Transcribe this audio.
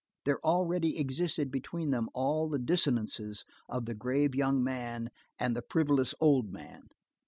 There already existed between them all the dissonances of the grave young man and the frivolous old man.